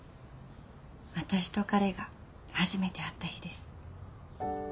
私と彼が初めて会った日です。